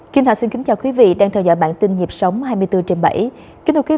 kim thảo xin kính chào quý vị đang theo dõi bản tin nhịp sống hai mươi bốn h bảy